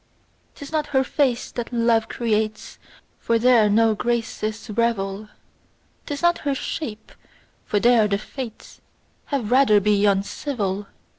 'Tis not her face that love creates, For there no graces revel; 'Tis not her shape, for there the fates Have rather been uncivil.